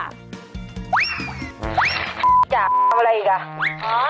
อะไรอีกอ่ะ